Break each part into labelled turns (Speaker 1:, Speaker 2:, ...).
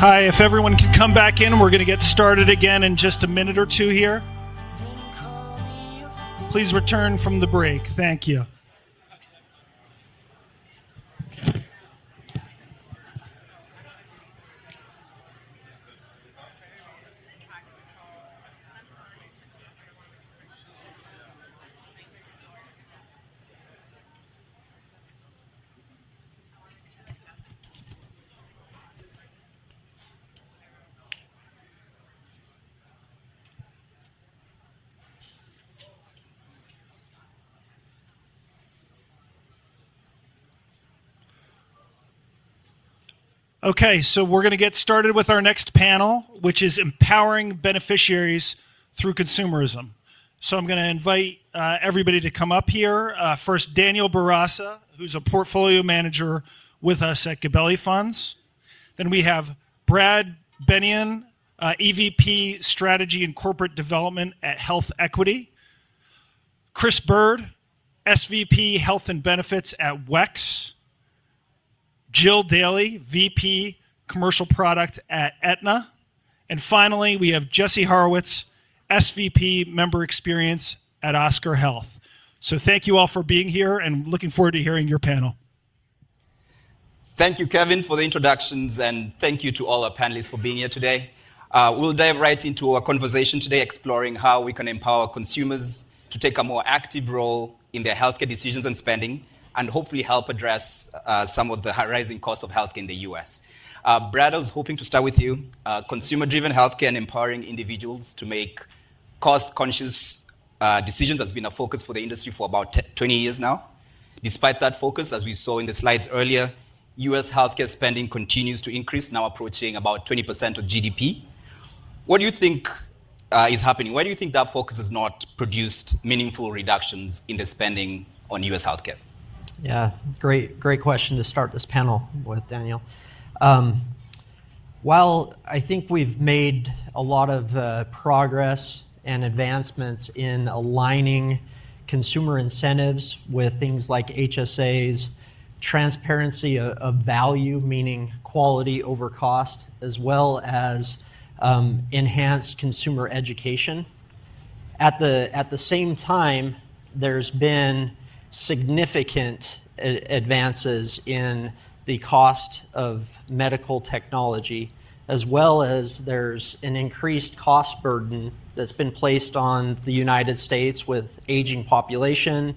Speaker 1: Hi, if everyone can come back in, we're going to get started again in just a minute or two here. Please return from the break. Thank you. Okay, we're going to get started with our next panel, which is Empowering Beneficiaries Through Consumerism. I'm going to invite everybody to come up here. First, Daniel Barasa, who's a Portfolio Manager with us at Gabelli Funds. Then we have Brad Bennion, EVP Strategy and Corporate Development at HealthEquity. Chris Byrd, SVP, Health and Benefits at WEX. Jill Dailey, VP, Commercial Product at Aetna. Finally, we have Jesse Horowitz, SVP Member Experience at Oscar Health. Thank you all for being here, and looking forward to hearing your panel.
Speaker 2: Thank you, Kevin, for the introductions, and thank you to all our panelists for being here today. We'll dive right into our conversation today, exploring how we can empower consumers to take a more active role in their healthcare decisions and spending, and hopefully help address some of the rising costs of healthcare in the U.S. Brad, I was hoping to start with you. Consumer-driven healthcare and empowering individuals to make cost-conscious decisions has been a focus for the industry for about 20 years now. Despite that focus, as we saw in the slides earlier, U.S. healthcare spending continues to increase, now approaching about 20% of GDP. What do you think is happening? Why do you think that focus has not produced meaningful reductions in the spending on U.S. healthcare?
Speaker 3: Yeah, great, great question to start this panel with, Daniel. While I think we've made a lot of progress and advancements in aligning consumer incentives with things like HSAs, transparency of value, meaning quality over cost, as well as enhanced consumer education. At the same time, there's been significant advances in the cost of medical technology, as well as there's an increased cost burden that's been placed on the United States with aging population,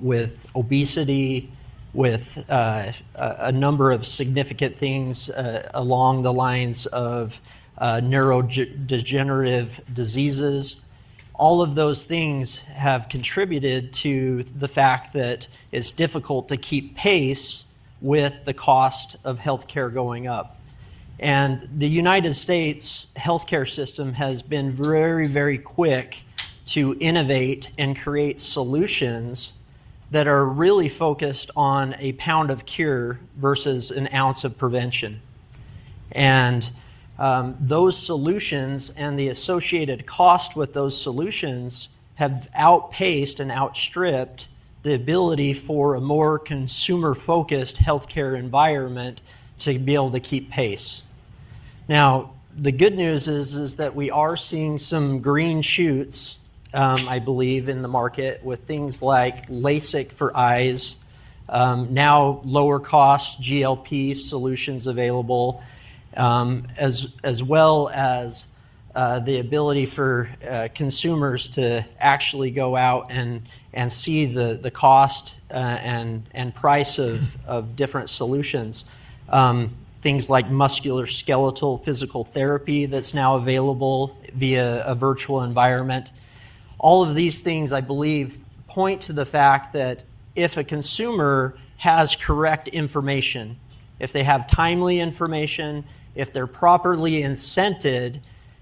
Speaker 3: with obesity, with a number of significant things along the lines of neurodegenerative diseases. All of those things have contributed to the fact that it's difficult to keep pace with the cost of healthcare going up. The United States healthcare system has been very, very quick to innovate and create solutions that are really focused on a pound of cure versus an ounce of prevention. Those solutions and the associated cost with those solutions have outpaced and outstripped the ability for a more consumer-focused healthcare environment to be able to keep pace. The good news is that we are seeing some green shoots, I believe, in the market with things like LASIK for eyes, now lower-cost GLP-1 solutions available, as well as the ability for consumers to actually go out and see the cost and price of different solutions. Things like musculoskeletal physical therapy that is now available via a virtual environment. All of these things, I believe, point to the fact that if a consumer has correct information, if they have timely information, if they are properly incented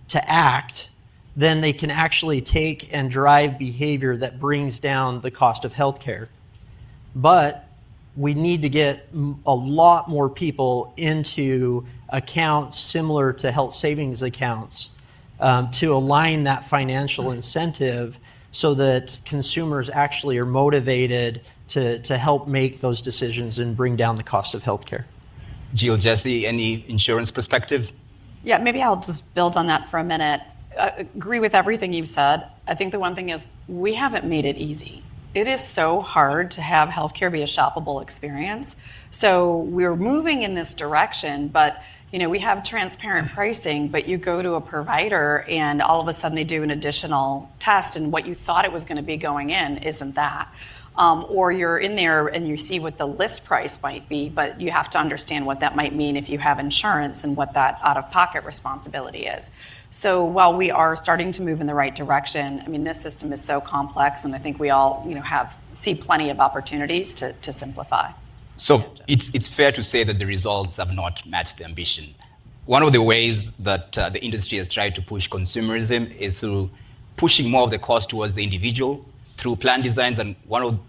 Speaker 3: to act, then they can actually take and drive behavior that brings down the cost of healthcare. We need to get a lot more people into accounts similar to health savings accounts to align that financial incentive so that consumers actually are motivated to help make those decisions and bring down the cost of healthcare.
Speaker 2: Jill, Jesse, any insurance perspective?
Speaker 4: Yeah, maybe I'll just build on that for a minute. I agree with everything you've said. I think the one thing is we haven't made it easy. It is so hard to have healthcare be a shoppable experience. We're moving in this direction, but we have transparent pricing, but you go to a provider and all of a sudden they do an additional test and what you thought it was going to be going in isn't that. Or you're in there and you see what the list price might be, but you have to understand what that might mean if you have insurance and what that out-of-pocket responsibility is. While we are starting to move in the right direction, I mean, this system is so complex and I think we all see plenty of opportunities to simplify.
Speaker 2: It is fair to say that the results have not matched the ambition. One of the ways that the industry has tried to push consumerism is through pushing more of the cost towards the individual through plan designs. One of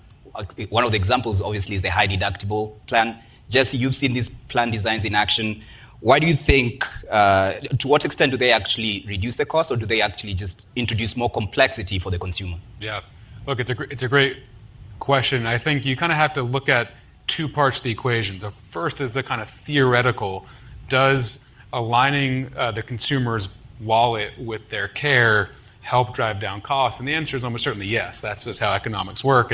Speaker 2: the examples, obviously, is the high deductible plan. Jesse, you have seen these plan designs in action. Why do you think, to what extent do they actually reduce the cost or do they actually just introduce more complexity for the consumer?
Speaker 5: Yeah, look, it's a great question. I think you kind of have to look at two parts of the equation. The first is the kind of theoretical. Does aligning the consumer's wallet with their care help drive down costs? The answer is almost certainly yes. That's just how economics work.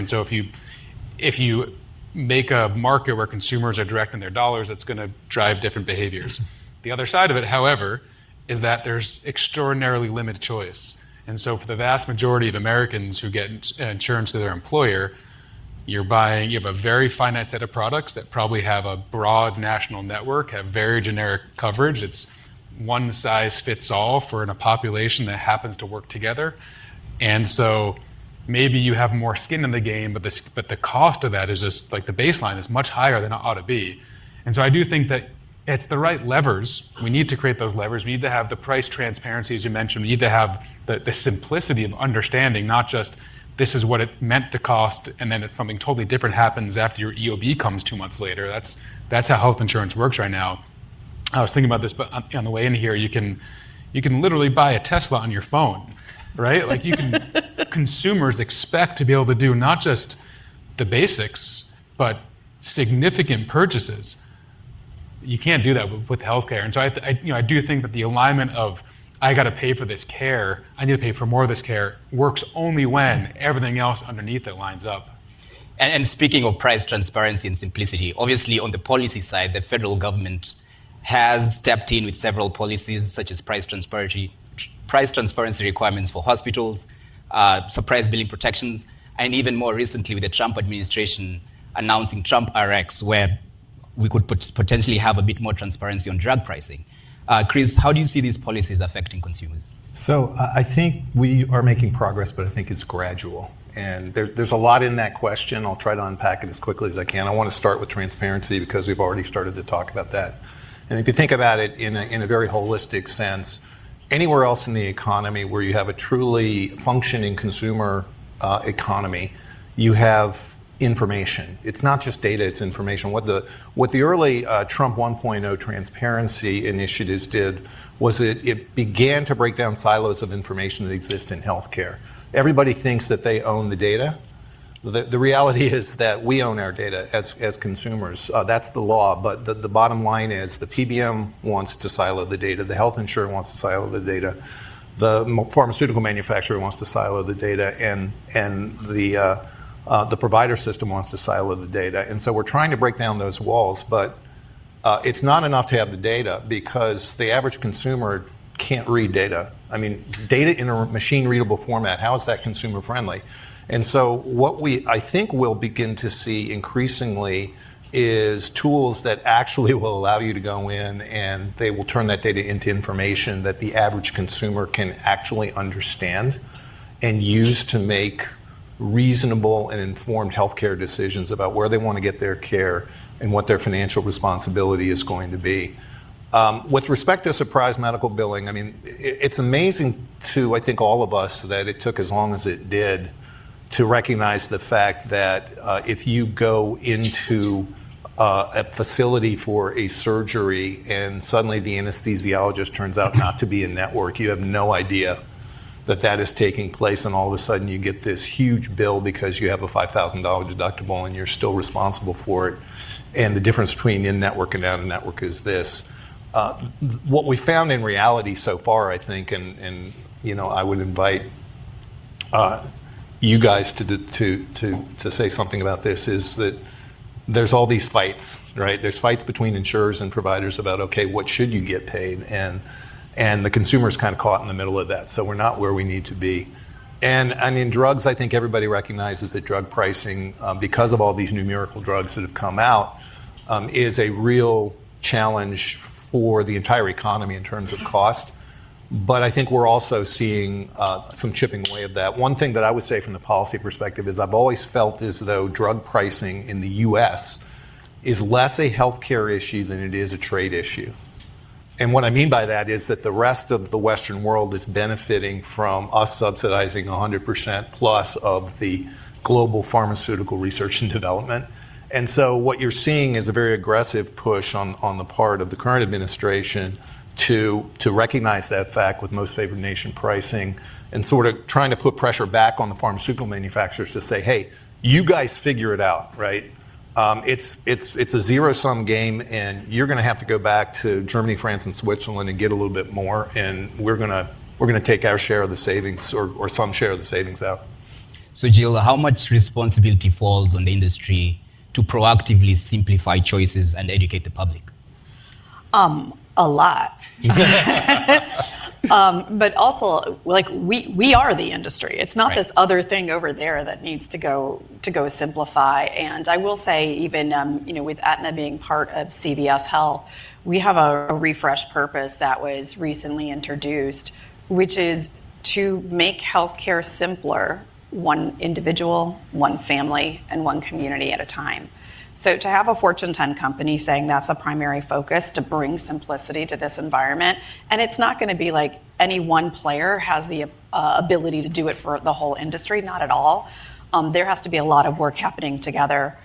Speaker 5: If you make a market where consumers are directing their dollars, that's going to drive different behaviors. The other side of it, however, is that there's extraordinarily limited choice. For the vast majority of Americans who get insurance through their employer, you have a very finite set of products that probably have a broad national network, have very generic coverage. It's one size fits all for a population that happens to work together. Maybe you have more skin in the game, but the cost of that is just like the baseline is much higher than it ought to be. I do think that it's the right levers. We need to create those levers. We need to have the price transparency, as you mentioned. We need to have the simplicity of understanding, not just this is what it meant to cost, and then something totally different happens after your EOB comes two months later. That's how health insurance works right now. I was thinking about this, but on the way in here, you can literally buy a Tesla on your phone, right? Consumers expect to be able to do not just the basics, but significant purchases. You can't do that with healthcare. I do think that the alignment of, I got to pay for this care, I need to pay for more of this care, works only when everything else underneath it lines up.
Speaker 2: Speaking of price transparency and simplicity, obviously on the policy side, the federal government has stepped in with several policies such as price transparency requirements for hospitals, surprise billing protections, and even more recently with the Trump administration announcing Trump [IRACs], where we could potentially have a bit more transparency on drug pricing. Chris, how do you see these policies affecting consumers?
Speaker 6: I think we are making progress, but I think it's gradual. There's a lot in that question. I'll try to unpack it as quickly as I can. I want to start with transparency because we've already started to talk about that. If you think about it in a very holistic sense, anywhere else in the economy where you have a truly functioning consumer economy, you have information. It's not just data, it's information. What the early Trump 1.0 transparency initiatives did was it began to break down silos of information that exist in healthcare. Everybody thinks that they own the data. The reality is that we own our data as consumers. That's the law. The bottom line is the PBM wants to silo the data, the health insurer wants to silo the data, the pharmaceutical manufacturer wants to silo the data, and the provider system wants to silo the data. We are trying to break down those walls, but it's not enough to have the data because the average consumer can't read data. I mean, data in a machine-readable format, how is that consumer-friendly? What I think we will begin to see increasingly is tools that actually will allow you to go in and they will turn that data into information that the average consumer can actually understand and use to make reasonable and informed healthcare decisions about where they want to get their care and what their financial responsibility is going to be. With respect to surprise medical billing, I mean, it's amazing to, I think, all of us that it took as long as it did to recognize the fact that if you go into a facility for a surgery and suddenly the anesthesiologist turns out not to be in network, you have no idea that that is taking place and all of a sudden you get this huge bill because you have a $5,000 deductible and you're still responsible for it. The difference between in network and out of network is this. What we found in reality so far, I think, and I would invite you guys to say something about this, is that there's all these fights, right? There's fights between insurers and providers about, okay, what should you get paid? The consumer's kind of caught in the middle of that. We're not where we need to be. I mean, drugs, I think everybody recognizes that drug pricing, because of all these numerical drugs that have come out, is a real challenge for the entire economy in terms of cost. I think we're also seeing some chipping away at that. One thing that I would say from the policy perspective is I've always felt as though drug pricing in the U.S. is less a healthcare issue than it is a trade issue. What I mean by that is that the rest of the Western world is benefiting from us subsidizing 100% plus of the global pharmaceutical research and development. What you're seeing is a very aggressive push on the part of the current administration to recognize that fact with most favored nation pricing and sort of trying to put pressure back on the pharmaceutical manufacturers to say, hey, you guys figure it out, right? It's a zero-sum game and you're going to have to go back to Germany, France, and Switzerland and get a little bit more, and we're going to take our share of the savings or some share of the savings out.
Speaker 2: Jill, how much responsibility falls on the industry to proactively simplify choices and educate the public?
Speaker 4: A lot. Also, we are the industry. It's not this other thing over there that needs to go simplify. I will say even with Aetna being part of CVS Health, we have a refresh purpose that was recently introduced, which is to make healthcare simpler, one individual, one family, and one community at a time. To have a Fortune 10 company saying that's a primary focus to bring simplicity to this environment, it's not going to be like any one player has the ability to do it for the whole industry, not at all. There has to be a lot of work happening together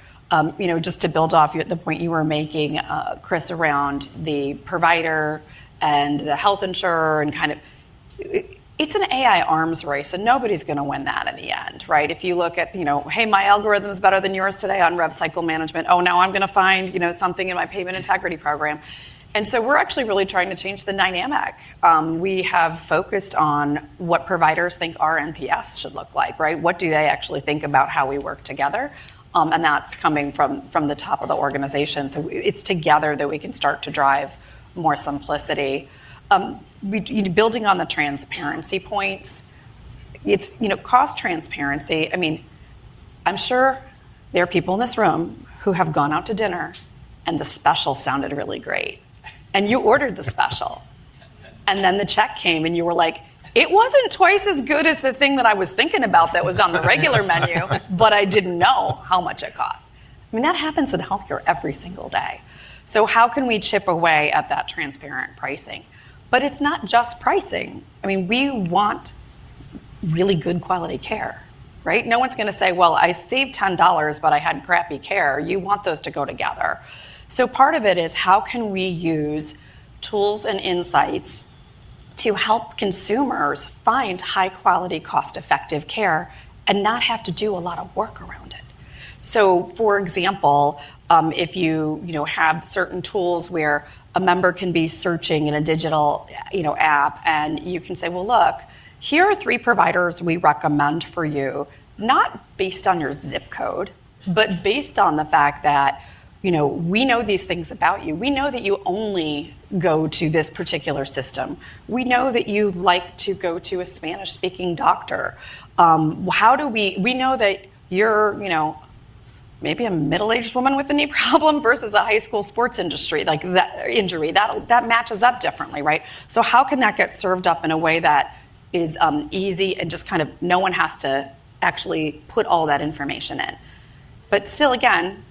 Speaker 4: just to build off the point you were making, Chris, around the provider and the health insurer and kind of it's an AI arms race and nobody's going to win that in the end, right? If you look at, hey, my algorithm is better than yours today on rev cycle management, oh now I'm going to find something in my payment integrity program. We are actually really trying to change the dynamic. We have focused on what providers think our NPS should look like, right? What do they actually think about how we work together? That is coming from the top of the organization. It is together that we can start to drive more simplicity. Building on the transparency points, it is cost transparency. I mean, I'm sure there are people in this room who have gone out to dinner and the special sounded really great. You ordered the special. Then the check came and you were like, it was not twice as good as the thing that I was thinking about that was on the regular menu, but I did not know how much it cost. I mean, that happens in healthcare every single day. How can we chip away at that transparent pricing? It is not just pricing. I mean, we want really good quality care, right? No one is going to say, well, I saved $10, but I had crappy care. You want those to go together. Part of it is how can we use tools and insights to help consumers find high-quality, cost-effective care and not have to do a lot of work around it. For example, if you have certain tools where a member can be searching in a digital app and you can say, well, look, here are three providers we recommend for you, not based on your zip code, but based on the fact that we know these things about you. We know that you only go to this particular system. We know that you like to go to a Spanish-speaking doctor. We know that you are maybe a middle-aged woman with a knee problem versus a high school sports industry injury. That matches up differently, right? How can that get served up in a way that is easy and just kind of no one has to actually put all that information in? Still, again,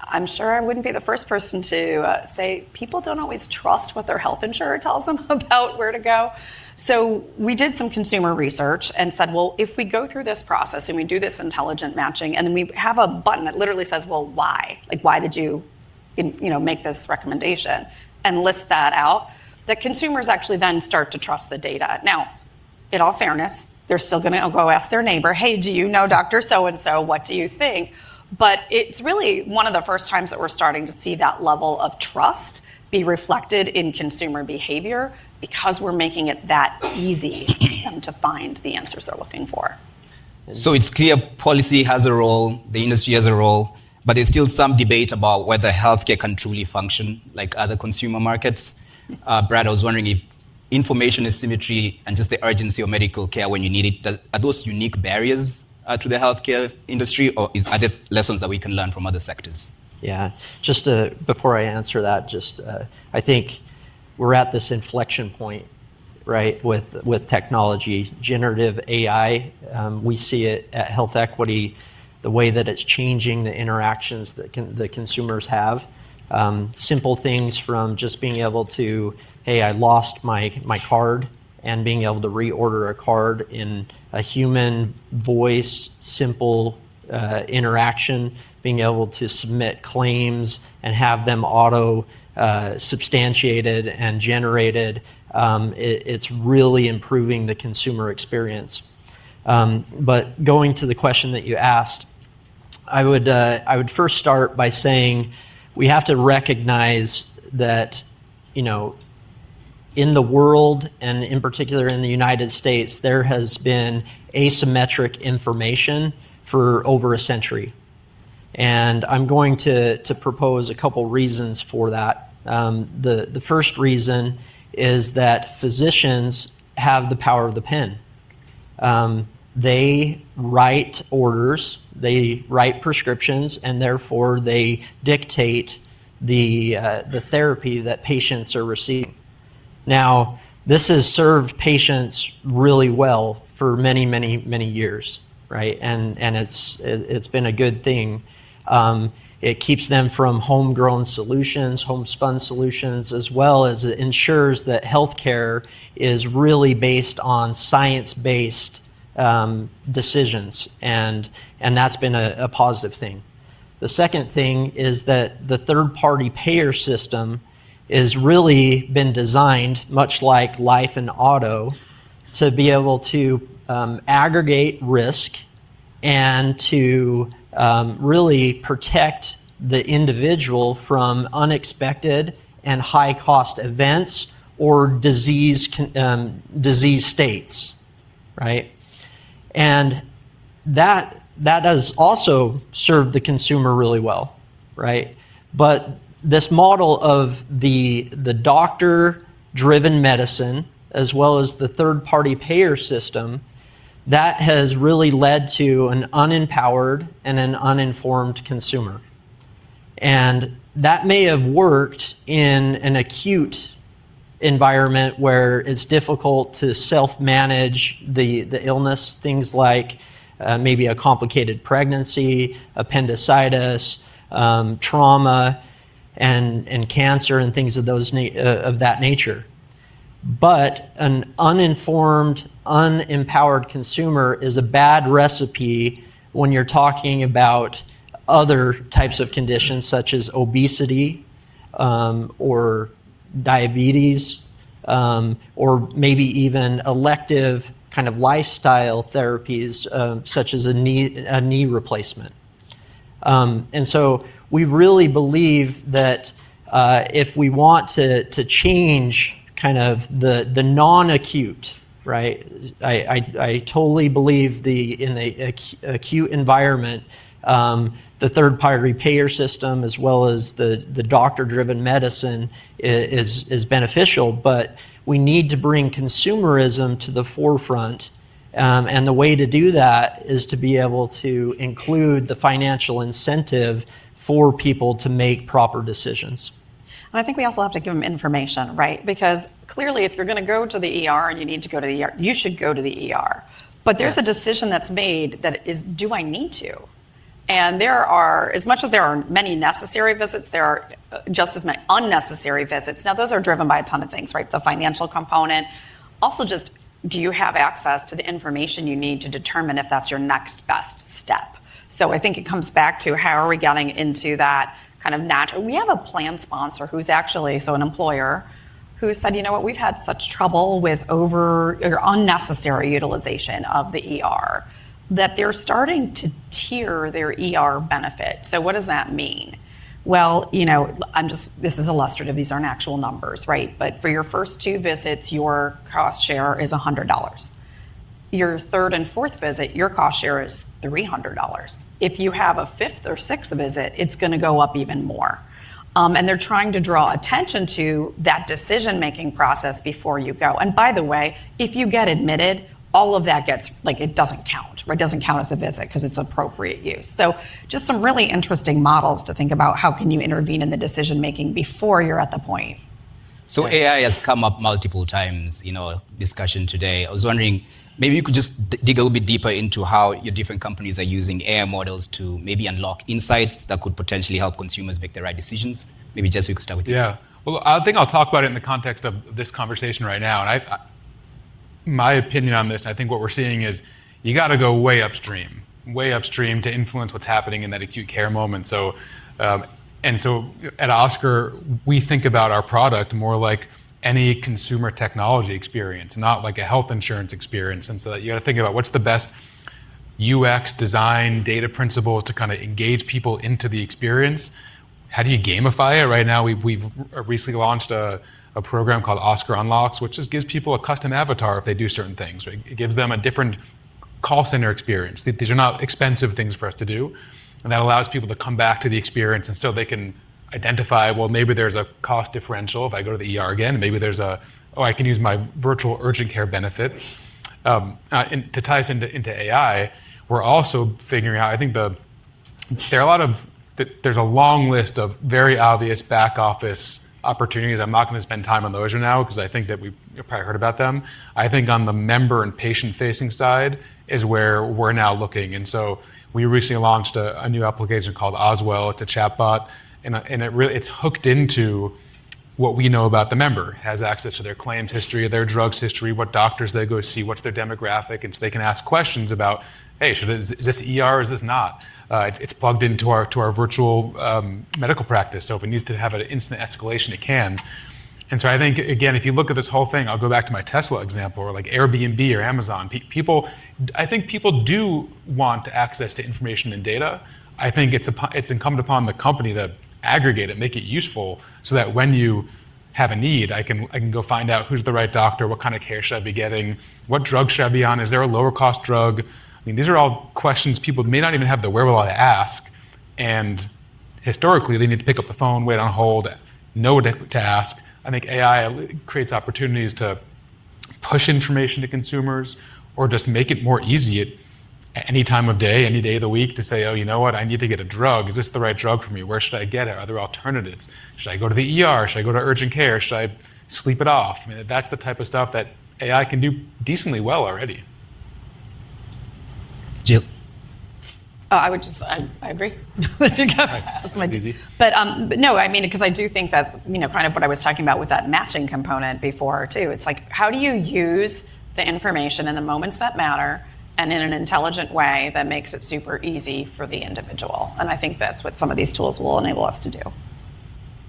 Speaker 4: I am sure I would not be the first person to say people do not always trust what their health insurer tells them about where to go. We did some consumer research and said, well, if we go through this process and we do this intelligent matching and then we have a button that literally says, well, why? Like why did you make this recommendation and list that out? The consumers actually then start to trust the data. Now, in all fairness, they're still going to go ask their neighbor, hey, do you know Dr. So-and-So? What do you think? It is really one of the first times that we're starting to see that level of trust be reflected in consumer behavior because we're making it that easy for them to find the answers they're looking for.
Speaker 2: It's clear policy has a role, the industry has a role, but there's still some debate about whether healthcare can truly function like other consumer markets. Brad, I was wondering if information asymmetry and just the urgency of medical care when you need it, are those unique barriers to the healthcare industry or are there lessons that we can learn from other sectors?
Speaker 3: Yeah, just before I answer that, just I think we're at this inflection point, right, with technology, generative AI. We see it at HealthEquity, the way that it's changing the interactions that consumers have. Simple things from just being able to, hey, I lost my card and being able to reorder a card in a human voice, simple interaction, being able to submit claims and have them auto-substantiated and generated. It's really improving the consumer experience. Going to the question that you asked, I would first start by saying we have to recognize that in the world and in particular in the United States, there has been asymmetric information for over a century. I'm going to propose a couple of reasons for that. The first reason is that physicians have the power of the pen. They write orders, they write prescriptions, and therefore they dictate the therapy that patients are receiving. This has served patients really well for many, many, many years, right? It has been a good thing. It keeps them from homegrown solutions, home-spun solutions, as well as it ensures that healthcare is really based on science-based decisions. That has been a positive thing. The second thing is that the third-party payer system has really been designed much like life and auto to be able to aggregate risk and to really protect the individual from unexpected and high-cost events or disease states, right? That has also served the consumer really well, right? This model of the doctor-driven medicine, as well as the third-party payer system, has really led to an unempowered and an uninformed consumer. That may have worked in an acute environment where it's difficult to self-manage the illness, things like maybe a complicated pregnancy, appendicitis, trauma, cancer, and things of that nature. An uninformed, unempowered consumer is a bad recipe when you're talking about other types of conditions such as obesity or diabetes or maybe even elective kind of lifestyle therapies such as a knee replacement. We really believe that if we want to change kind of the non-acute, right? I totally believe in the acute environment, the third-party payer system as well as the doctor-driven medicine is beneficial, but we need to bring consumerism to the forefront. The way to do that is to be able to include the financial incentive for people to make proper decisions.
Speaker 4: I think we also have to give them information, right? Because clearly if you're going to go to the ER and you need to go to the ER, you should go to the. There's a decision that's made that is, do I need to? As much as there are many necessary visits, there are just as many unnecessary visits. Those are driven by a ton of things, right? The financial component. Also just do you have access to the information you need to determine if that's your next best step? I think it comes back to how are we getting into that kind of natural? We have a plan sponsor who's actually, so an employer who said, you know what, we've had such trouble with over or unnecessary utilization of the ER, that they're starting to tier their benefit. What does that mean? This is illustrative. These aren't actual numbers, right? For your first two visits, your cost share is $100. Your third and fourth visit, your cost share is $300. If you have a fifth or sixth visit, it's going to go up even more. They're trying to draw attention to that decision-making process before you go. By the way, if you get admitted, all of that gets, like it doesn't count, right? It doesn't count as a visit because it's appropriate use. Just some really interesting models to think about how can you intervene in the decision-making before you're at the point.
Speaker 2: AI has come up multiple times in our discussion today. I was wondering, maybe you could just dig a little bit deeper into how your different companies are using AI models to maybe unlock insights that could potentially help consumers make the right decisions. Maybe Jess, we could start with you.
Speaker 5: Yeah. I think I'll talk about it in the context of this conversation right now. My opinion on this, and I think what we're seeing is you got to go way upstream, way upstream to influence what's happening in that acute care moment. At Oscar, we think about our product more like any consumer technology experience, not like a health insurance experience. You got to think about what's the best UX design data principle to kind of engage people into the experience. How do you gamify it? Right now, we've recently launched a program called Oscar Unlocks, which just gives people a custom avatar if they do certain things. It gives them a different call center experience. These are not expensive things for us to do. That allows people to come back to the experience and they can identify, well, maybe there's a cost differential if I go to the again. Maybe there's a, oh, I can use my virtual urgent care benefit. To tie us into AI, we're also figuring out, I think there are a lot of, there's a long list of very obvious back office opportunities. I'm not going to spend time on those right now because I think that we've probably heard about them. I think on the member and patient-facing side is where we're now looking. We recently launched a new application called Oswell. It's a chatbot. It's hooked into what we know about the member. It has access to their claims history, their drugs history, what doctors they go see, what's their demographic. They can ask questions about, hey, is this or is this not? It is plugged into our virtual medical practice. If it needs to have an instant escalation, it can. I think, again, if you look at this whole thing, I will go back to my Tesla example or like Airbnb or Amazon. I think people do want access to information and data. I think it is incumbent upon the company to aggregate it, make it useful so that when you have a need, I can go find out who is the right doctor, what kind of care should I be getting, what drug should I be on, is there a lower-cost drug? I mean, these are all questions people may not even have the wherewithal to ask. Historically, they need to pick up the phone, wait on hold, know what to ask. I think AI creates opportunities to push information to consumers or just make it more easy at any time of day, any day of the week to say, oh, you know what, I need to get a drug. Is this the right drug for me? Where should I get it? Are there alternatives? Should I go to urgent care? Should I sleep it off? I mean, that's the type of stuff that AI can do decently well already.
Speaker 2: Jill.
Speaker 4: Oh, I would just, I agree. That's my take. No, I mean, because I do think that kind of what I was talking about with that matching component before too, it's like how do you use the information in the moments that matter and in an intelligent way that makes it super easy for the individual? I think that's what some of these tools will enable us to do.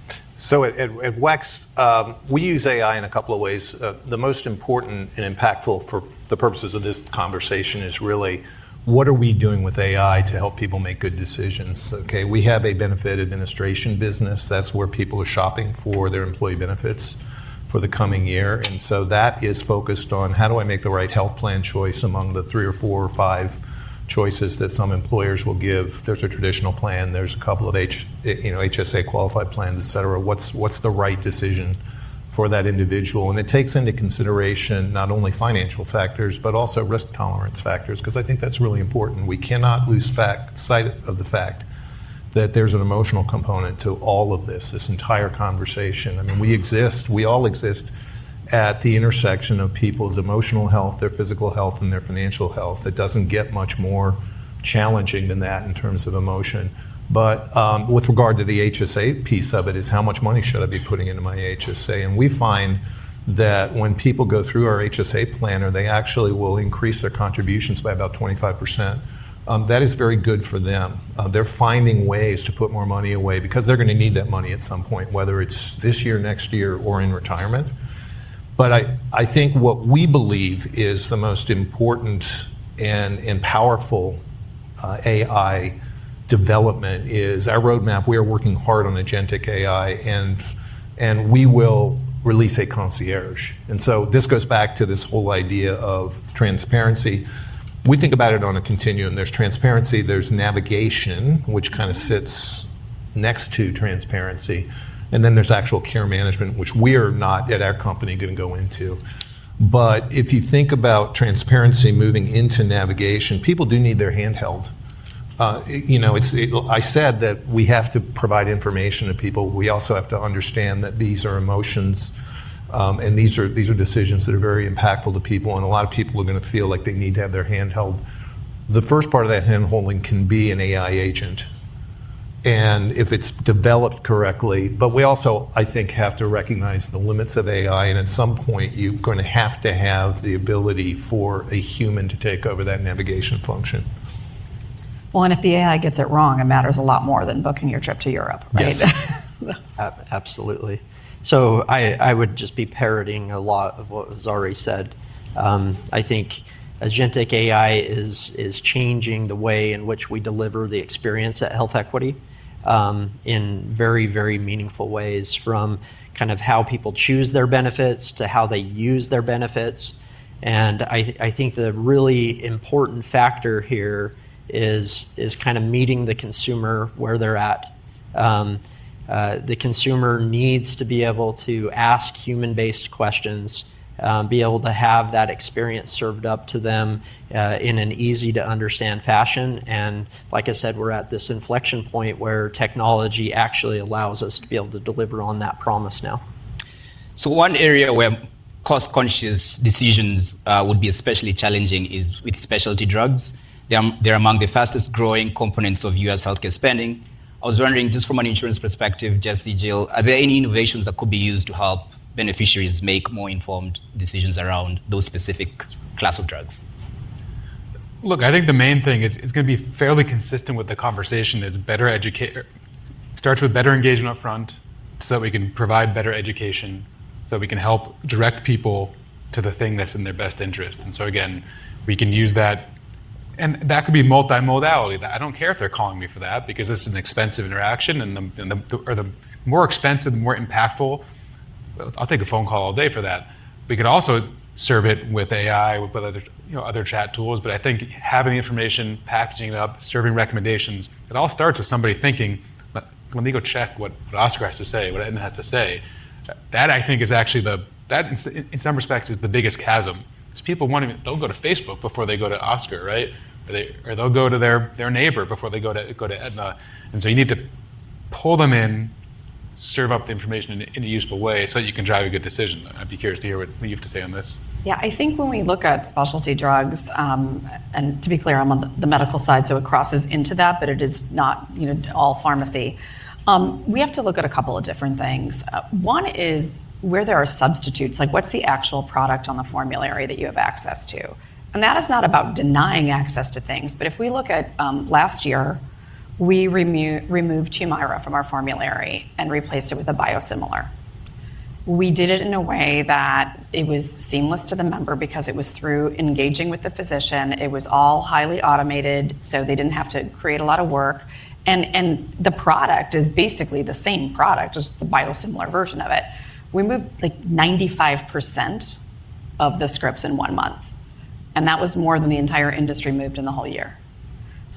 Speaker 6: At WEX, we use AI in a couple of ways. The most important and impactful for the purposes of this conversation is really what are we doing with AI to help people make good decisions? Okay. We have a benefit administration business. That's where people are shopping for their employee benefits for the coming year. That is focused on how do I make the right health plan choice among the three or four or five choices that some employers will give? There's a traditional plan. There's a couple of HSA qualified plans, et cetera. What's the right decision for that individual? It takes into consideration not only financial factors, but also risk tolerance factors because I think that's really important. We cannot lose sight of the fact that there's an emotional component to all of this, this entire conversation. I mean, we exist, we all exist at the intersection of people's emotional health, their physical health, and their financial health. It does not get much more challenging than that in terms of emotion. With regard to the HSA piece of it, it is how much money should I be putting into my HSA? We find that when people go through our HSA planner, they actually will increase their contributions by about 25%. That is very good for them. They are finding ways to put more money away because they are going to need that money at some point, whether it is this year, next year, or in retirement. I think what we believe is the most important and powerful AI development is our roadmap. We are working hard on agentic AI and we will release a concierge. This goes back to this whole idea of transparency. We think about it on a continuum. There is transparency, there is navigation, which kind of sits next to transparency. Then there is actual care management, which we are not at our company going to go into. If you think about transparency moving into navigation, people do need their hand held. I said that we have to provide information to people. We also have to understand that these are emotions and these are decisions that are very impactful to people. A lot of people are going to feel like they need to have their hand held. The first part of that handholding can be an AI agent. If it is developed correctly, but we also, I think, have to recognize the limits of AI. At some point, you are going to have to have the ability for a human to take over that navigation function.
Speaker 4: If the AI gets it wrong, it matters a lot more than booking your trip to Europe, right?
Speaker 3: Absolutely. I would just be parroting a lot of what was already said. I think agentic AI is changing the way in which we deliver the experience at HealthEquity in very, very meaningful ways from kind of how people choose their benefits to how they use their benefits. I think the really important factor here is kind of meeting the consumer where they're at. The consumer needs to be able to ask human-based questions, be able to have that experience served up to them in an easy-to-understand fashion. Like I said, we're at this inflection point where technology actually allows us to be able to deliver on that promise now.
Speaker 2: One area where cost-conscious decisions would be especially challenging is with specialty drugs. They're among the fastest-growing components of U.S. healthcare spending. I was wondering just from an insurance perspective, Jesse, Jill, are there any innovations that could be used to help beneficiaries make more informed decisions around those specific class of drugs?
Speaker 5: Look, I think the main thing is it's going to be fairly consistent with the conversation. It starts with better engagement upfront so that we can provide better education, so that we can help direct people to the thing that's in their best interest. Again, we can use that. That could be multi-modality. I don't care if they're calling me for that because this is an expensive interaction. The more expensive, the more impactful. I'll take a phone call all day for that. We could also serve it with AI, with other chat tools. I think having the information, packaging it up, serving recommendations, it all starts with somebody thinking, let me go check what Oscar has to say, what Aetna has to say. That I think is actually, in some respects, the biggest chasm. Because people want to, they'll go to Facebook before they go to Oscar, right? Or they'll go to their neighbor before they go to Aetna. You need to pull them in, serve up the information in a useful way so that you can drive a good decision. I'd be curious to hear what you have to say on this.
Speaker 4: Yeah. I think when we look at specialty drugs, and to be clear, I'm on the medical side, so it crosses into that, but it is not all pharmacy. We have to look at a couple of different things. One is where there are substitutes, like what's the actual product on the formulary that you have access to? That is not about denying access to things. If we look at last year, we removed Humira from our formulary and replaced it with a biosimilar. We did it in a way that it was seamless to the member because it was through engaging with the physician. It was all highly automated so they did not have to create a lot of work. The product is basically the same product, just the biosimilar version of it. We moved like 95% of the scripts in one month. That was more than the entire industry moved in the whole year.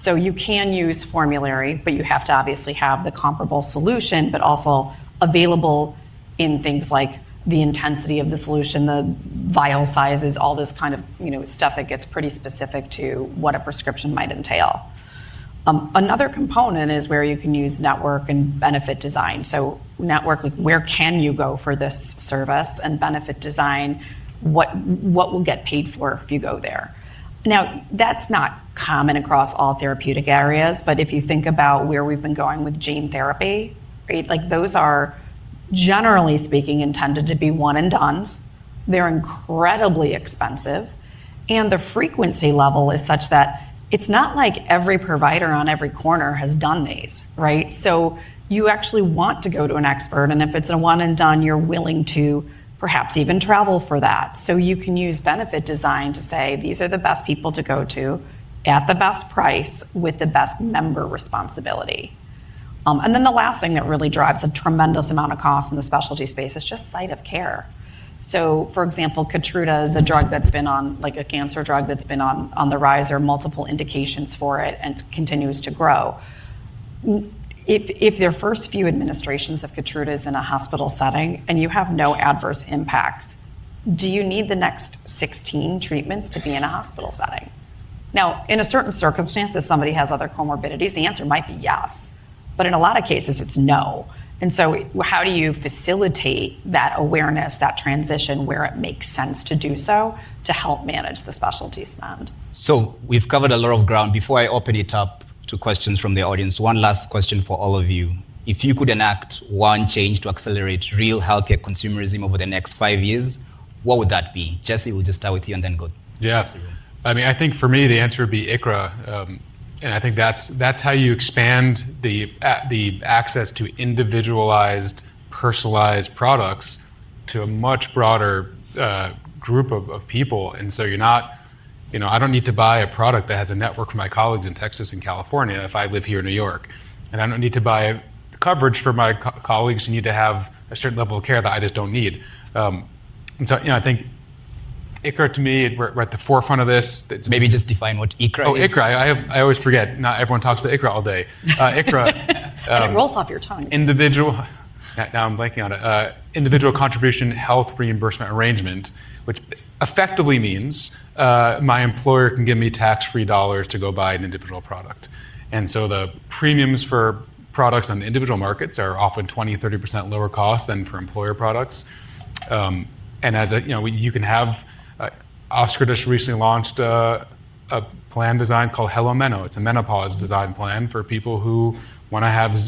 Speaker 4: You can use formulary, but you have to obviously have the comparable solution, but also available in things like the intensity of the solution, the vial sizes, all this kind of stuff that gets pretty specific to what a prescription might entail. Another component is where you can use network and benefit design. Network, like where can you go for this service, and benefit design, what will get paid for if you go there? Now, that's not common across all therapeutic areas, but if you think about where we've been going with gene therapy, like those are generally speaking intended to be one-and-dones. They're incredibly expensive. The frequency level is such that it's not like every provider on every corner has done these, right? You actually want to go to an expert. If it's a one-and-done, you're willing to perhaps even travel for that. You can use benefit design to say, these are the best people to go to at the best price with the best member responsibility. The last thing that really drives a tremendous amount of cost in the specialty space is just site of care. For example, Keytruda is a drug that's been on, like a cancer drug that's been on the rise. There are multiple indications for it and it continues to grow. If there are first few administrations of Keytruda in a hospital setting and you have no adverse impacts, do you need the next 16 treatments to be in a hospital setting? In a certain circumstance, if somebody has other comorbidities, the answer might be yes. In a lot of cases, it's no. How do you facilitate that awareness, that transition where it makes sense to do so to help manage the specialty spend?
Speaker 2: We've covered a lot of ground. Before I open it up to questions from the audience, one last question for all of you. If you could enact one change to accelerate real healthcare consumerism over the next five years, what would that be? Jesse, we'll just start with you and then go.
Speaker 5: Yeah, absolutely. I mean, I think for me, the answer would be ICHRA. And I think that's how you expand the access to individualized, personalized products to a much broader group of people. You know, I don't need to buy a product that has a network for my colleagues in Texas and California if I live here in New York. I don't need to buy coverage for my colleagues who need to have a certain level of care that I just don't need. I think ICHRA to me, we're at the forefront of this.
Speaker 2: Maybe just define what ICHRA is.
Speaker 5: Oh, ICHRA. I always forget. Not everyone talks about ICHRA all day. ICHRA.
Speaker 4: It rolls off your tongue.
Speaker 5: Individual, now I'm blanking on it. Individual Coverage Health Reimbursement Arrangement, which effectively means my employer can give me tax-free dollars to go buy an individual product. The premiums for products on the individual markets are often 20%-30% lower cost than for employer products. As you can have, Oscar just recently launched a plan design called HelloMeno. It's a menopause design plan for people who want to have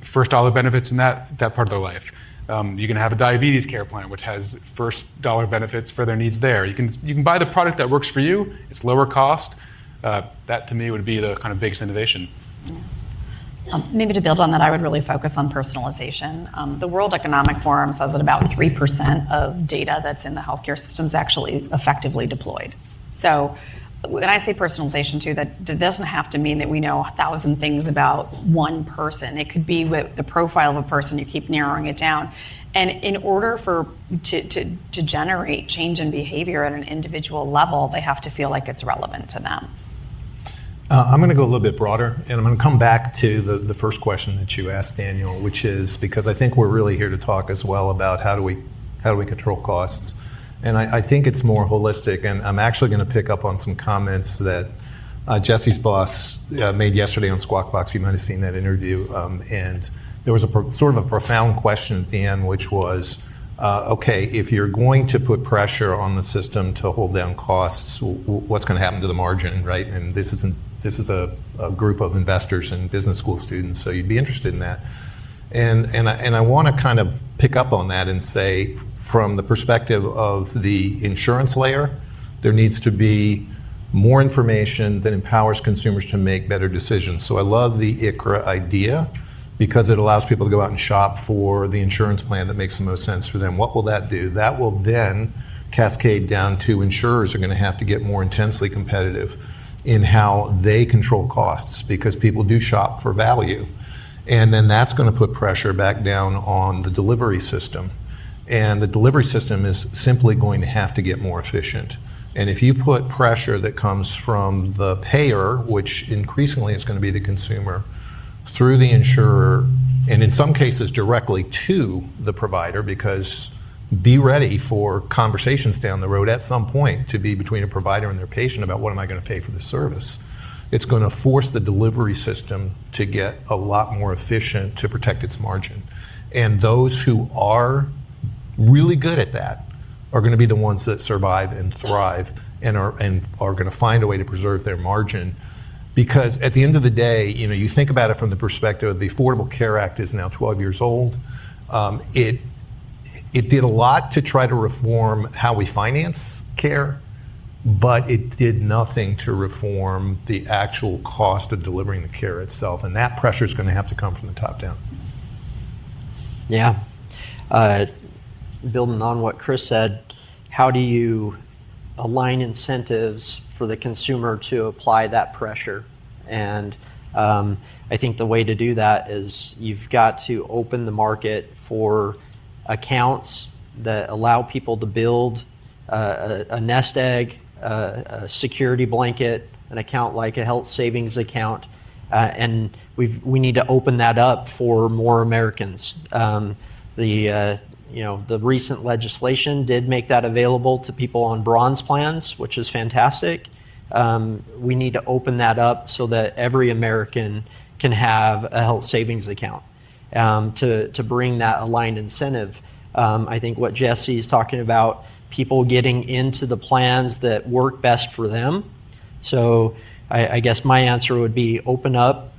Speaker 5: first dollar benefits in that part of their life. You can have a diabetes care plan, which has first dollar benefits for their needs there. You can buy the product that works for you. It's lower cost. That to me would be the kind of biggest innovation.
Speaker 4: Maybe to build on that, I would really focus on personalization. The World Economic Forum says that about 3% of data that's in the healthcare system is actually effectively deployed. When I say personalization too, that doesn't have to mean that we know a thousand things about one person. It could be the profile of a person. You keep narrowing it down. In order for it to generate change in behavior at an individual level, they have to feel like it's relevant to them.
Speaker 6: I'm going to go a little bit broader, and I'm going to come back to the first question that you asked, Daniel, which is because I think we're really here to talk as well about how do we control costs. I think it's more holistic. I'm actually going to pick up on some comments that Jesse's boss made yesterday on Squawk Box. You might have seen that interview. There was a sort of a profound question at the end, which was, okay, if you're going to put pressure on the system to hold down costs, what's going to happen to the margin, right? This is a group of investors and business school students, so you'd be interested in that. I want to kind of pick up on that and say from the perspective of the insurance layer, there needs to be more information that empowers consumers to make better decisions. I love the ICHRA idea because it allows people to go out and shop for the insurance plan that makes the most sense for them. What will that do? That will then cascade down to insurers are going to have to get more intensely competitive in how they control costs because people do shop for value. That is going to put pressure back down on the delivery system. The delivery system is simply going to have to get more efficient. If you put pressure that comes from the payer, which increasingly is going to be the consumer, through the insurer, and in some cases directly to the provider, because be ready for conversations down the road at some point to be between a provider and their patient about what am I going to pay for the service. It's going to force the delivery system to get a lot more efficient to protect its margin. Those who are really good at that are going to be the ones that survive and thrive and are going to find a way to preserve their margin. Because at the end of the day, you think about it from the perspective of the Affordable Care Act is now 12 years old. It did a lot to try to reform how we finance care, but it did nothing to reform the actual cost of delivering the care itself. That pressure is going to have to come from the top down.
Speaker 3: Yeah. Building on what Chris said, how do you align incentives for the consumer to apply that pressure? I think the way to do that is you've got to open the market for accounts that allow people to build a nest egg, a security blanket, an account like a health savings account. We need to open that up for more Americans. The recent legislation did make that available to people on bronze plans, which is fantastic. We need to open that up so that every American can have a health savings account to bring that aligned incentive. I think what Jesse is talking about, people getting into the plans that work best for them. I guess my answer would be open up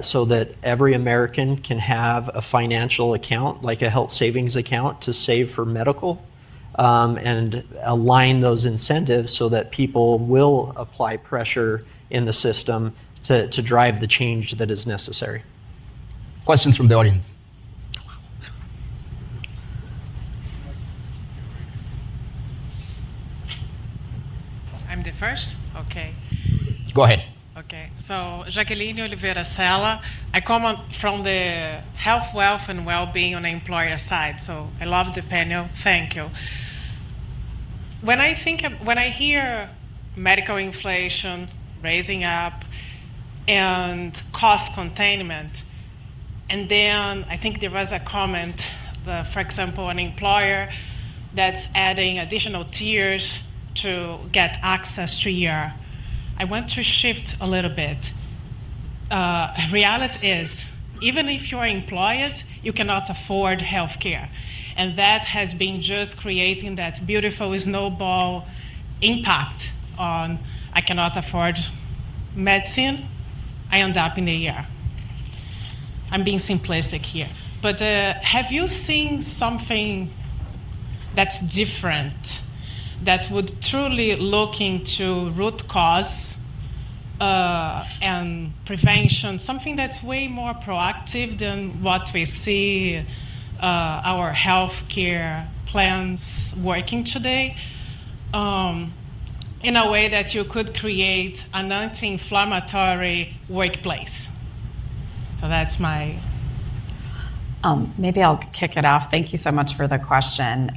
Speaker 3: so that every American can have a financial account, like a health savings account to save for medical and align those incentives so that people will apply pressure in the system to drive the change that is necessary.
Speaker 2: Questions from the audience. I'm the first? Okay. Go ahead. Okay. Jacqueline Olivera Sala. I come from the health, wealth, and well-being on the employer side. I love the panel. Thank you. When I think, when I hear medical inflation rising up and cost containment, and then I think there was a comment, for example, an employer that's adding additional tiers to get access to your, I want to shift a little bit. Reality is, even if you are employed, you cannot afford healthcare. That has been just creating that beautiful snowball impact on, I cannot afford medicine, I end up in the ER. I'm being simplistic here. Have you seen something that's different that would truly look into root cause and prevention, something that's way more proactive than what we see our healthcare plans working today in a way that you could create an anti-inflammatory workplace? That's my.
Speaker 4: Maybe I'll kick it off. Thank you so much for the question.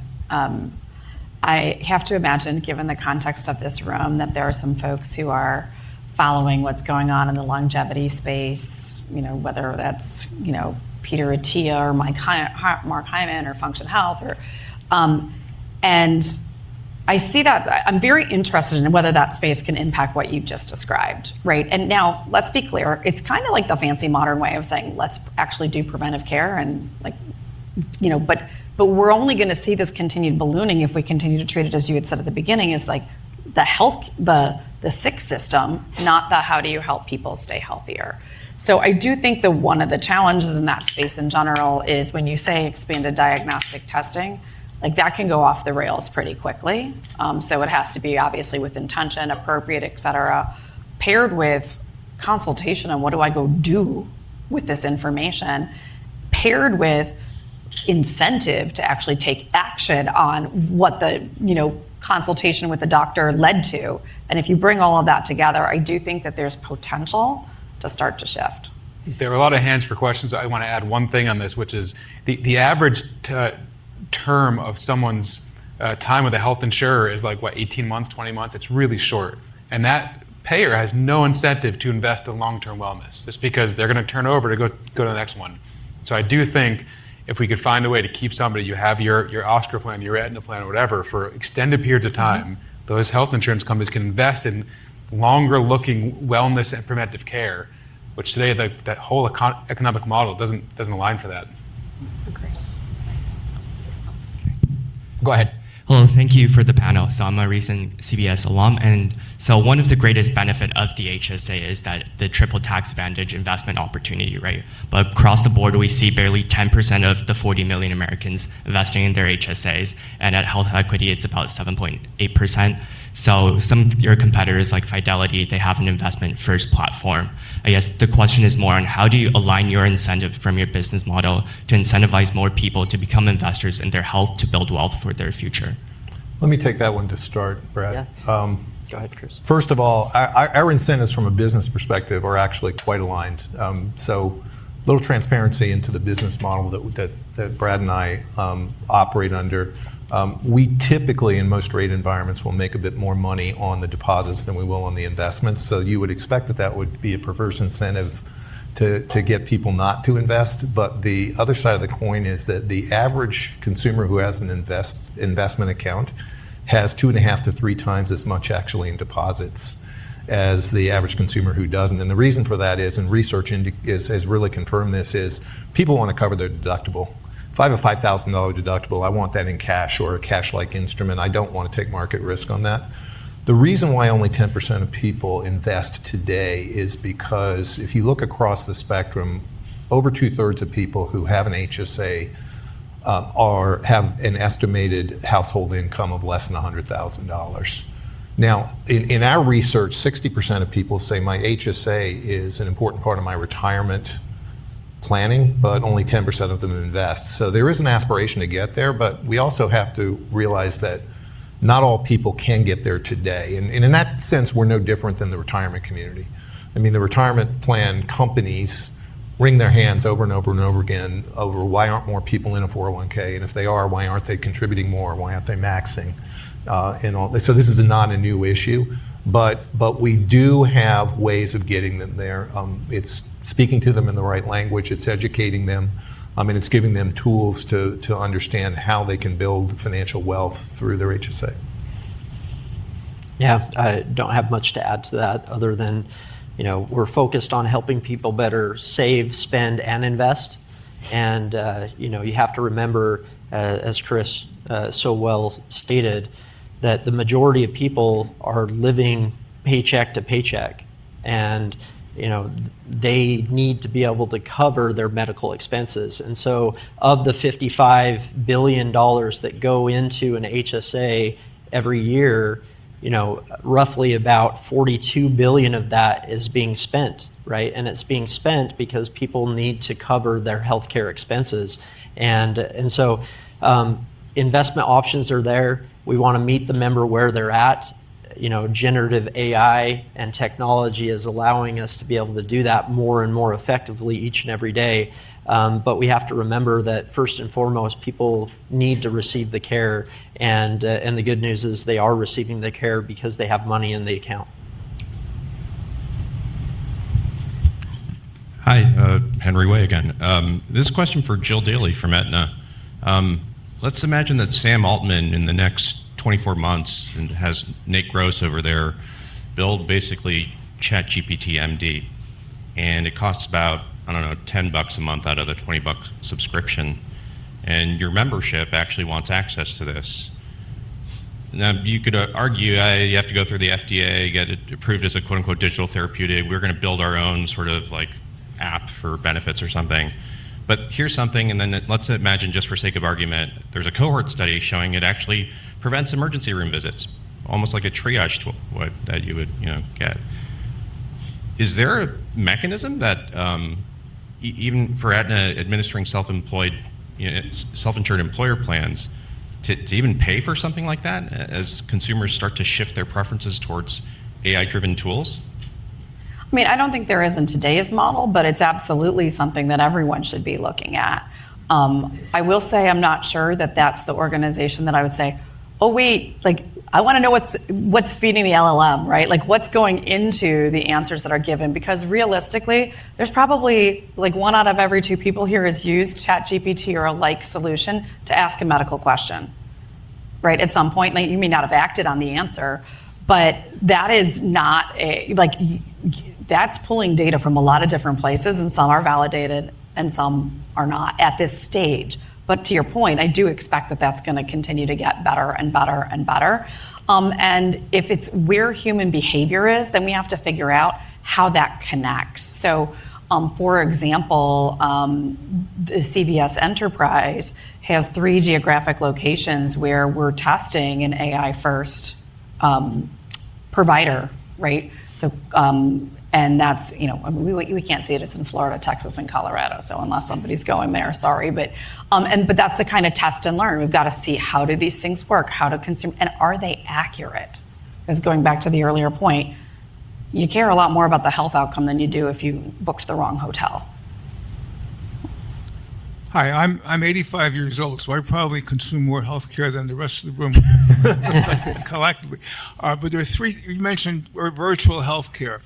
Speaker 4: I have to imagine, given the context of this room, that there are some folks who are following what's going on in the longevity space, whether that's Peter Attia or Mark Hyman or Function Health. I see that I'm very interested in whether that space can impact what you've just described, right? Now let's be clear. It's kind of like the fancy modern way of saying, let's actually do preventive care. We're only going to see this continued ballooning if we continue to treat it, as you had said at the beginning, as like the health, the sick system, not the how do you help people stay healthier. I do think that one of the challenges in that space in general is when you say expanded diagnostic testing, like that can go off the rails pretty quickly. It has to be obviously with intention, appropriate, et cetera, paired with consultation and what do I go do with this information, paired with incentive to actually take action on what the consultation with the doctor led to. If you bring all of that together, I do think that there's potential to start to shift.
Speaker 5: There are a lot of hands for questions. I want to add one thing on this, which is the average term of someone's time with a health insurer is like what, 18 months, 20 months? It's really short. That payer has no incentive to invest in long-term wellness just because they're going to turn over to go to the next one. I do think if we could find a way to keep somebody, you have your Oscar plan, your Aetna plan, whatever, for extended periods of time, those health insurance companies can invest in longer looking wellness and preventive care, which today that whole economic model doesn't align for that.
Speaker 2: Go ahead. Hello. Thank you for the panel. I'm a recent CBS alum. One of the greatest benefits of the HSA is the triple tax advantage investment opportunity, right? Across the board, we see barely 10% of the 40 million Americans investing in their HSAs. At HealthEquity, it's about 7.8%. Some of your competitors like Fidelity have an investment-first platform. I guess the question is more on how do you align your incentive from your business model to incentivize more people to become investors in their health to build wealth for their future?
Speaker 6: Let me take that one to start, Brad.
Speaker 3: Yeah. Go ahead, Chris.
Speaker 6: First of all, our incentives from a business perspective are actually quite aligned. A little transparency into the business model that Brad and I operate under. We typically, in most rate environments, will make a bit more money on the deposits than we will on the investments. You would expect that that would be a perverse incentive to get people not to invest. The other side of the coin is that the average consumer who has an investment account has two and a half to three times as much actually in deposits as the average consumer who does not. The reason for that is, and research has really confirmed this, is people want to cover their deductible. If I have a $5,000 deductible, I want that in cash or a cash-like instrument. I do not want to take market risk on that. The reason why only 10% of people invest today is because if you look across the spectrum, over two-thirds of people who have an HSA have an estimated household income of less than $100,000. Now, in our research, 60% of people say, "My HSA is an important part of my retirement planning," but only 10% of them invest. There is an aspiration to get there, but we also have to realize that not all people can get there today. In that sense, we're no different than the retirement community. I mean, the retirement plan companies wring their hands over and over and over again over, "Why aren't more people in a 401(k)? And if they are, why aren't they contributing more? Why aren't they maxing?" This is not a new issue, but we do have ways of getting them there. It's speaking to them in the right language. It's educating them. I mean, it's giving them tools to understand how they can build financial wealth through their HSA.
Speaker 3: Yeah. I do not have much to add to that other than we are focused on helping people better save, spend, and invest. You have to remember, as Chris so well stated, that the majority of people are living paycheck to paycheck, and they need to be able to cover their medical expenses. Of the $55 billion that go into an HSA every year, roughly about $42 billion of that is being spent, right? It is being spent because people need to cover their healthcare expenses. Investment options are there. We want to meet the member where they are at. Generative AI and technology is allowing us to be able to do that more and more effectively each and every day. We have to remember that first and foremost, people need to receive the care. The good news is they are receiving the care because they have money in the account. Hi, Henry Wei again. This is a question for Jill Dailey from Aetna. Let's imagine that Sam Altman in the next 24 months has Nate Gross over there build basically ChatGPT MD. And it costs about, I don't know, $10 a month out of the $20 subscription. And your membership actually wants access to this. Now, you could argue you have to go through the FDA, get it approved as a "digital therapeutic." We're going to build our own sort of app for benefits or something. Here's something, and then let's imagine just for sake of argument, there's a cohort study showing it actually prevents emergency room visits, almost like a triage tool that you would get. Is there a mechanism that even for Aetna administering self-insured employer plans to even pay for something like that as consumers start to shift their preferences towards AI-driven tools?
Speaker 4: I mean, I do not think there is in today's model, but it is absolutely something that everyone should be looking at. I will say I am not sure that that is the organization that I would say, "Oh, wait, I want to know what is feeding the LLM," right? Like what is going into the answers that are given? Because realistically, there is probably one out of every two people here has used ChatGPT or a like solution to ask a medical question, right? At some point, you may not have acted on the answer, but that is not like that is pulling data from a lot of different places, and some are validated and some are not at this stage. To your point, I do expect that that is going to continue to get better and better and better. If it is where human behavior is, then we have to figure out how that connects. For example, the CVS Enterprise has three geographic locations where we're testing an AI-first provider, right? I mean, we can't see it. It's in Florida, Texas, and Colorado. Unless somebody's going there, sorry. That's the kind of test and learn. We've got to see how do these things work, how do consumers, and are they accurate? Because going back to the earlier point, you care a lot more about the health outcome than you do if you booked the wrong hotel. Hi, I'm 85 years old, so I probably consume more healthcare than the rest of the room collectively. There are three, you mentioned virtual healthcare,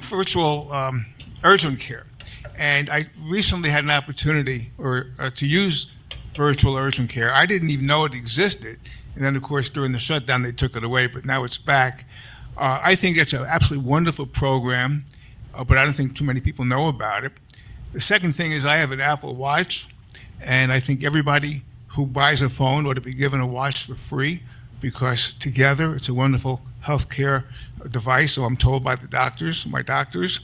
Speaker 4: virtual urgent care. I recently had an opportunity to use virtual urgent care. I didn't even know it existed. During the shutdown, they took it away, but now it's back. I think it's an absolutely wonderful program, but I don't think too many people know about it. The second thing is I have an Apple Watch, and I think everybody who buys a phone ought to be given a watch for free because together it's a wonderful healthcare device, or I'm told by my doctors.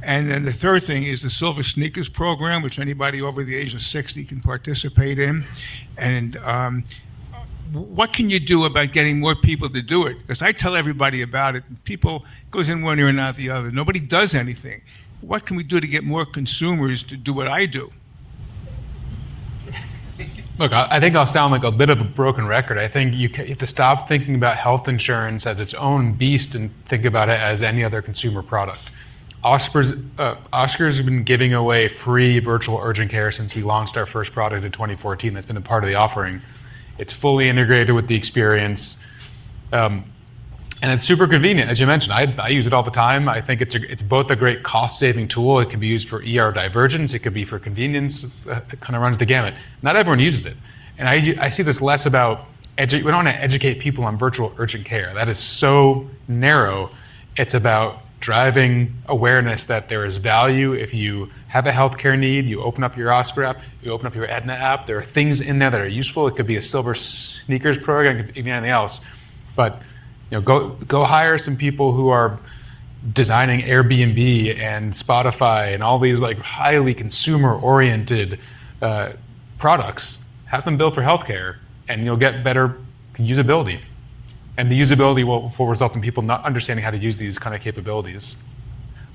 Speaker 4: The third thing is the SilverSneakers program, which anybody over the age of 60 can participate in. What can you do about getting more people to do it? Because I tell everybody about it, and people go in one ear and out the other. Nobody does anything. What can we do to get more consumers to do what I do?
Speaker 3: Look, I think I'll sound like a bit of a broken record. I think you have to stop thinking about health insurance as its own beast and think about it as any other consumer product. Oscar's been giving away free virtual urgent care since we launched our first product in 2014. That's been a part of the offering. It's fully integrated with the experience. It's super convenient. As you mentioned, I use it all the time. I think it's both a great cost-saving tool. It can be used for divergence. It could be for convenience. It kind of runs the gamut. Not everyone uses it. I see this less about we don't want to educate people on virtual urgent care. That is so narrow. It's about driving awareness that there is value. If you have a healthcare need, you open up your Oscar app, you open up your Aetna app. There are things in there that are useful. It could be a SilverSneakers program, it could be anything else. Go hire some people who are designing Airbnb and Spotify and all these highly consumer-oriented products. Have them build for healthcare, and you'll get better usability. The usability will result in people not understanding how to use these kinds of capabilities.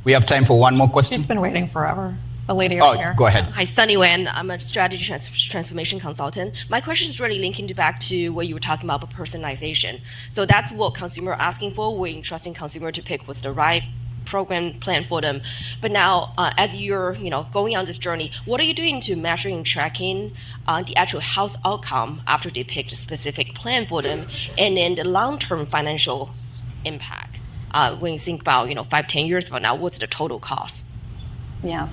Speaker 2: We have time for one more question.
Speaker 4: She's been waiting forever. A lady over here.
Speaker 2: Oh, go ahead. Hi. Sunny Wen. I'm a strategy transformation consultant. My question is really linking back to what you were talking about, but personalization. That's what consumers are asking for. We're entrusting consumers to pick what's the right program plan for them. Now, as you're going on this journey, what are you doing to measure and track the actual health outcome after they picked a specific plan for them and then the long-term financial impact? When you think about 5, 10 years from now, what's the total cost?
Speaker 4: Yeah.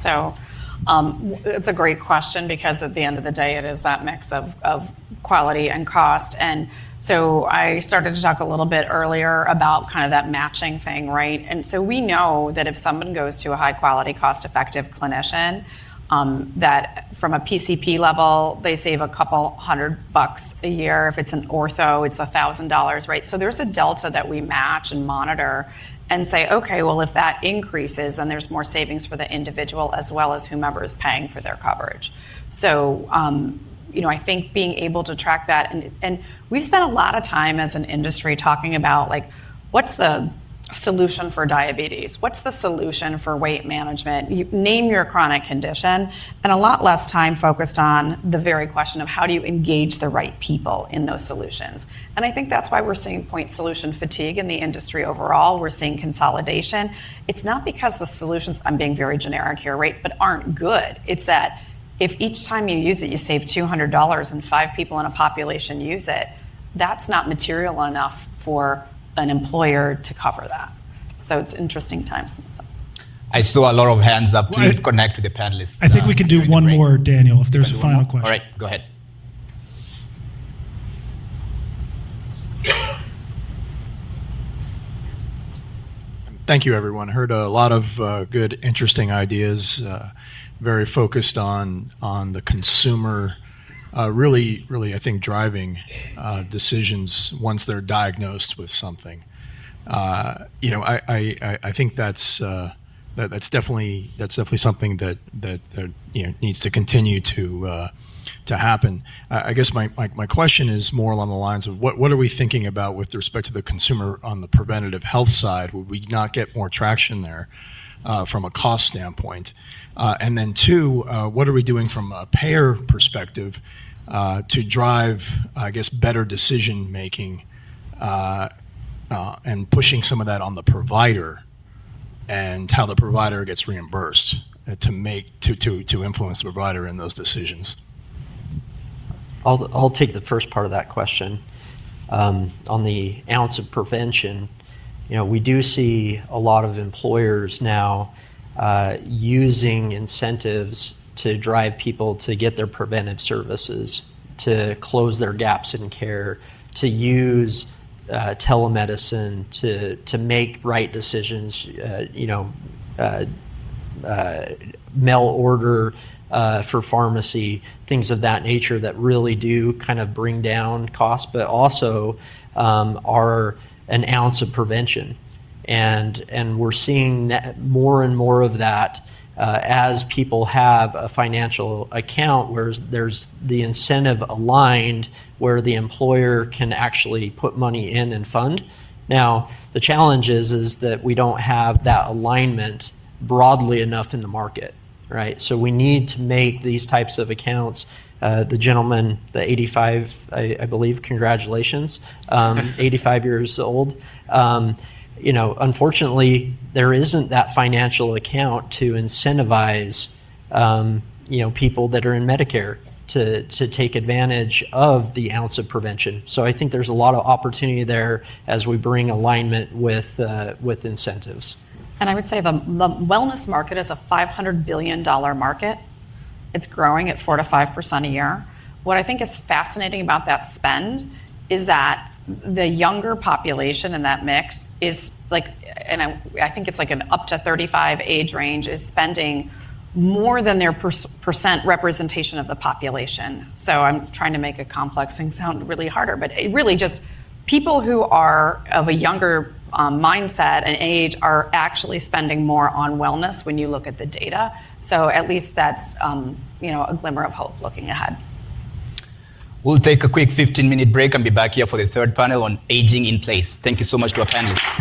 Speaker 4: It's a great question because at the end of the day, it is that mix of quality and cost. I started to talk a little bit earlier about kind of that matching thing, right? We know that if someone goes to a high-quality, cost-effective clinician, that from a PCP level, they save a couple hundred bucks a year. If it's an ortho, it's $1,000, right? There's a delta that we match and monitor and say, "Okay, well, if that increases, then there's more savings for the individual as well as whomever is paying for their coverage." I think being able to track that, and we've spent a lot of time as an industry talking about what's the solution for diabetes? What's the solution for weight management? Name your chronic condition, and a lot less time focused on the very question of how do you engage the right people in those solutions. I think that's why we're seeing point solution fatigue in the industry overall. We're seeing consolidation. It's not because the solutions, I'm being very generic here, right, but aren't good. It's that if each time you use it, you save $200 and five people in a population use it, that's not material enough for an employer to cover that. It's interesting times in that sense.
Speaker 2: I saw a lot of hands up. Please connect with the panelists.
Speaker 3: I think we can do one more, Daniel, if there's a final question.
Speaker 2: All right. Go ahead. Thank you, everyone. I heard a lot of good, interesting ideas, very focused on the consumer, really, really, I think, driving decisions once they're diagnosed with something. I think that's definitely something that needs to continue to happen. I guess my question is more along the lines of what are we thinking about with respect to the consumer on the preventative health side? Would we not get more traction there from a cost standpoint? Then two, what are we doing from a payer perspective to drive, I guess, better decision-making and pushing some of that on the provider and how the provider gets reimbursed to influence the provider in those decisions?
Speaker 3: I'll take the first part of that question. On the ounce of prevention, we do see a lot of employers now using incentives to drive people to get their preventive services, to close their gaps in care, to use telemedicine to make right decisions, mail order for pharmacy, things of that nature that really do kind of bring down costs, but also are an ounce of prevention. We are seeing more and more of that as people have a financial account where there's the incentive aligned where the employer can actually put money in and fund. Now, the challenge is that we do not have that alignment broadly enough in the market, right? We need to make these types of accounts. The gentleman, the 85, I believe, congratulations, 85 years old. Unfortunately, there isn't that financial account to incentivize people that are in Medicare to take advantage of the ounce of prevention. I think there's a lot of opportunity there as we bring alignment with incentives.
Speaker 4: I would say the wellness market is a $500 billion market. It's growing at 4%-5% a year. What I think is fascinating about that spend is that the younger population in that mix is, and I think it's like an up to 35 age range, is spending more than their percent representation of the population. I'm trying to make a complex thing sound really harder, but really just people who are of a younger mindset and age are actually spending more on wellness when you look at the data. At least that's a glimmer of hope looking ahead.
Speaker 2: We'll take a quick 15-minute break and be back here for the third panel on aging in place. Thank you so much to our panelists.